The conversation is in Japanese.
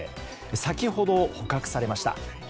先ほど、捕獲されました。